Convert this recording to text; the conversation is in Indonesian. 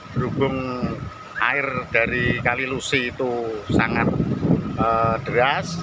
berhubung air dari kali lusi itu sangat deras